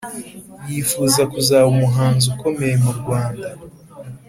yifuza kuzaba umuhanzi ukomeye mu rwanda.